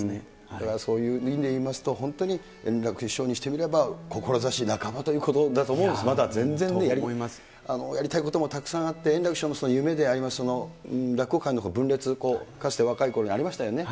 だからそういう意味で言いますと、本当に円楽師匠にしてみれば、志半ばということだと思うんです、まだ全然、やりたいこともたくさんあって、円楽師匠の夢であります、落語界の分裂、かつて若いころありましたよね。